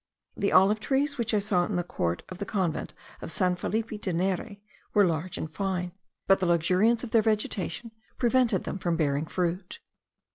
The olive trees which I saw in the court of the convent of San Felipe de Neri, were large and fine; but the luxuriance of their vegetation prevented them from bearing fruit.